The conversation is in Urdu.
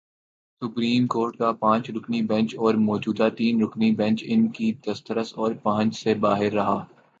سپریم کورٹ کا پانچ رکنی بینچ اور موجودہ تین رکنی بینچ ان کی دسترس اور پہنچ سے باہر رہا۔